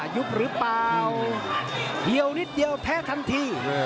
ยุบหรือเปล่าเดียวนิดเดียวแพ้ทันที